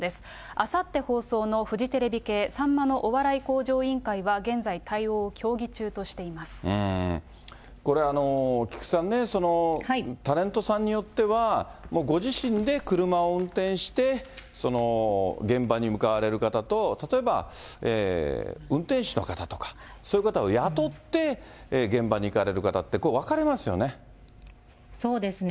あさって放送のフジテレビ系、さんまのお笑い向上委員会は、現在、これ、菊池さんね、タレントさんによっては、もうご自身で車を運転して現場に向かわれる方と、例えば運転手の方とか、そういう方を雇って現場に行かれる方って、そうですね。